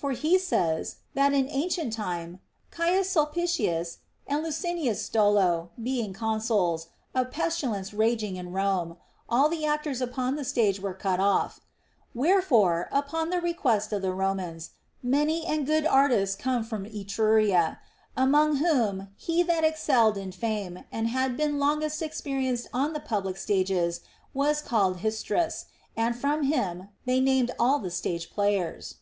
For he says, that in ancient time, C. Sulpicius and Licinius Stolo, being consuls, a pestilence raging in Rome, all the actors upon the stage were cut off; wherefore, upon the request of the Romans, many and good artists came from Etruria, among whom he that excelled in fame and had been longest experienced on the public stages was called Histrus, and from him they named all the stage players.